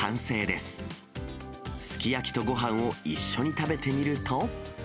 すき焼きとごはんを一緒に食べてみると。